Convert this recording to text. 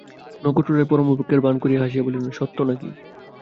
নক্ষত্ররায় পরম উপেক্ষার ভান করিয়া হাসিয়া বলিলেন, সত্য না কি!